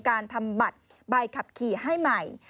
การทำบัตรใบขับขี่ให้ใหม่